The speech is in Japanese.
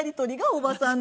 おばさん？